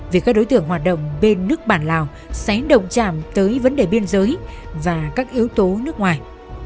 vì các đối tượng hoạt động bên nước bản lào sẽ động chạm tới vấn đề biên giới và các yếu tố nước ngoài